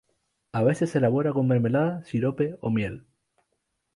A veces se elabora con mermelada, sirope o miel.